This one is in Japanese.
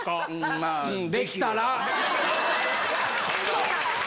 まあ、できたら。